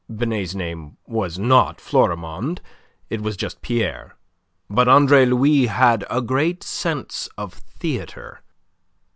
Binet's name was not Florimond; it was just Pierre. But Andre Louis had a great sense of the theatre.